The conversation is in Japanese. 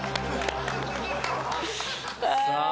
ああ。